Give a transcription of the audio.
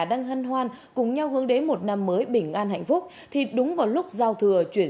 đang hân hoan cùng nhau hướng đến một năm mới bình an hạnh phúc thì đúng vào lúc giao thừa chuyển